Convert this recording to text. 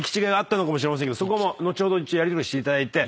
そこは後ほどやりとりしていただいて。